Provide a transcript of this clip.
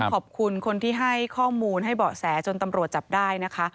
ขอบคุณคนที่ให้ข้อมูลให้เบาะแสจนตำรวจจับได้นะคะ